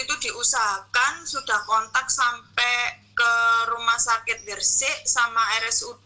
itu diusahakan sudah kontak sampai ke rumah sakit gersik sama rsud